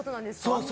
そう。